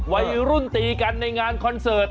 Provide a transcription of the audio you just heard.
วัยรุ่นตีกันในงานคอนเสิร์ต